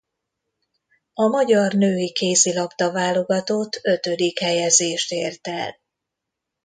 A magyar női kézilabda-válogatott ötödik helyezést ért el.